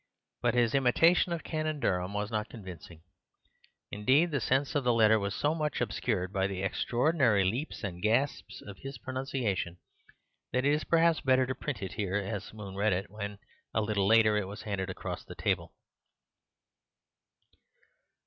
But his imitation of a Canon of Durham was not convincing; indeed, the sense of the letter was so much obscured by the extraordinary leaps and gasps of his pronunciation that it is perhaps better to print it here as Moon read it when, a little later, it was handed across the table.